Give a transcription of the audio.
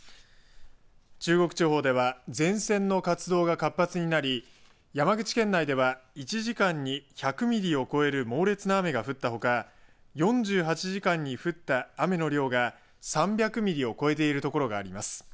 中国地方では前線の活動が活発になり山口県内では１時間に１００ミリを超える猛烈な雨が降ったほか４８時間に降った雨の量が３００ミリを超えている所があります。